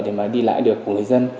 để đi lại được của người dân